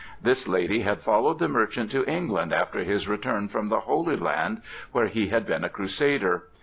This lady had followed the merchant to England after his return from the Holy Land, where he had been a crusader.